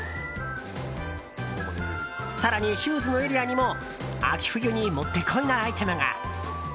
更に、シューズのエリアにも秋冬にもってこいなアイテムが。